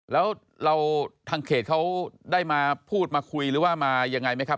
แล้วเราทางเขตเขาได้มาพูดมาคุยหรือว่ามายังไงไหมครับ